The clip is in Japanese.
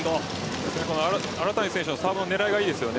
荒谷選手のサーブの狙いがいいですよね。